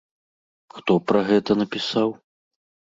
Хто пра гэта напісаў?